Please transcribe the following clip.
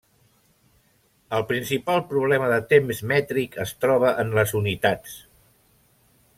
El principal problema de temps mètric es troba en les unitats.